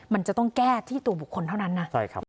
มันจะต้องแก้ที่ตัวบุคคลเท่านั้นนะ